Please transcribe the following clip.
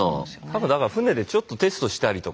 多分だから船でちょっとテストしたりとかね